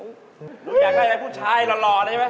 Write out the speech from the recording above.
หนูอยากได้ผู้ชายหล่อเลยไหม